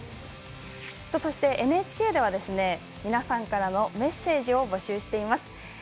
そして、ＮＨＫでは皆さんからのメッセージを募集しています。